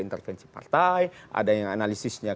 intervensi partai ada yang analisisnya